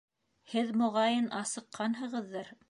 Һеҙ моғайын, асыҡҡанһығыҙҙыр?